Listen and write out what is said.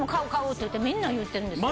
って言ってみんな言うてるんですよ。